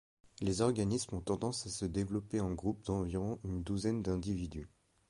Les organismes ont tendance à se développer en groupes d'environ une douzaine d'individus.